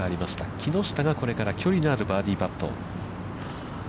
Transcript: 木下がこれから距離のあるバーディーパット。